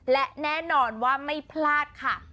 และแน่นอนว่าไม่พลาดค่ะ